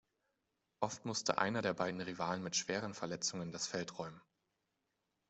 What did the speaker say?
Oft musste einer der beiden Rivalen mit schweren Verletzungen das Feld räumen.